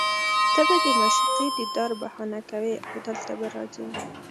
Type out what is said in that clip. ته به د معشوقې دیدار بهانه کوې او دلته به راځې